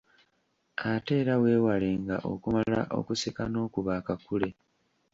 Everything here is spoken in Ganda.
Ate era weewalenga okumala okuseka n’okuba akakule.